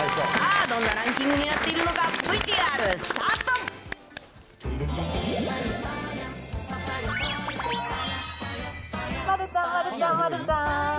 さあ、どんなランキングになっているのか、丸ちゃん、丸ちゃん、丸ちゃん。